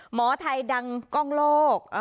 หมอไทยดังกล้องโลก